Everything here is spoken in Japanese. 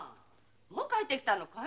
もう帰って来たのかい？